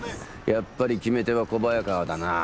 やっぱり決め手は小早川だなあ。